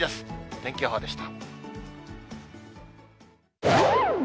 天気予報でした。